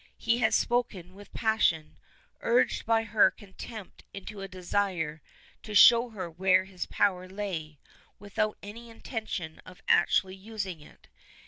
He had spoken with passion, urged by her contempt into a desire to show her where his power lay, without any intention of actually using it.